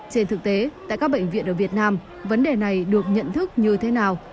trên thực tế tại các bệnh viện ở việt nam vấn đề này được nhận thức như thế nào